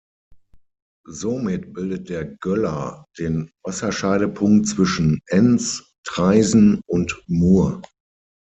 Somit bildet der Göller den Wasserscheidepunkt zwischen Enns, Traisen und Mur.